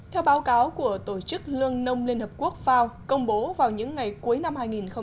theo báo cáo của tổ chức lương nông liên hợp quốc fao công bố vào những ngày cuối năm hai nghìn một mươi chín